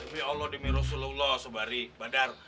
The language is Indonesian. bi allah demi rasulullah sobari badar